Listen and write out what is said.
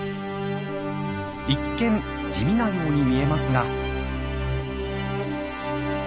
一見地味なように見えますが。